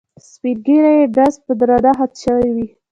سپین ږیری یې ډز به درنه خطا شوی وي.